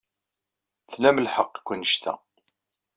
Tlam lḥeqq deg wanect-a.